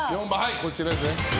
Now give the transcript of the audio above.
こちらですね。